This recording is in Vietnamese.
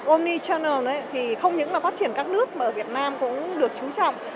omnichannel thì không những là phát triển các nước mà ở việt nam cũng được trú trọng